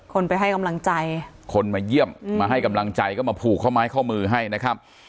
คนไปให้กำลังใจคนมาเยี่ยมมาให้กำลังใจก็มาผูกข้อไม้ข้อมือให้นะครับ